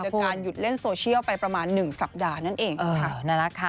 โดยการหยุดเล่นโซเชียลไปประมาณ๑สัปดาห์นั่นเองค่ะนั่นแหละค่ะ